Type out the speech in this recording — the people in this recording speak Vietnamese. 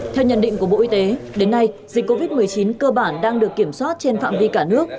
theo nhận định của bộ y tế đến nay dịch covid một mươi chín cơ bản đang được kiểm soát trên phạm vi cả nước